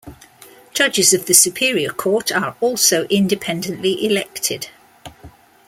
Judges of the superior court are also independently elected.